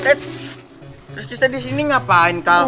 terus kita disini ngapain kal